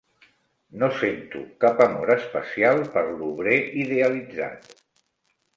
No sento cap amor especial per l'«obrer» idealitzat